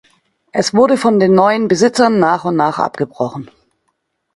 Es wurde von den neuen Besitzern nach und nach abgebrochen.